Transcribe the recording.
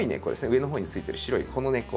上のほうについてる白いこの根っこ。